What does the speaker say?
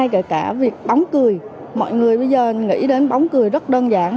cái việc bóng cười mọi người bây giờ nghĩ đến bóng cười rất đơn giản